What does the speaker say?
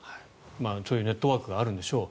そういうネットワークがあるんでしょう。